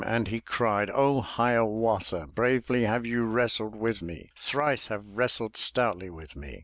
And he cried. O Hiawatha! iLli^ Bravely have you wrestled with me. Thrice have wrestled stoutly with me.